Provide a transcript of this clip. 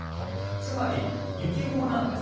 つまり、雪雲なんです。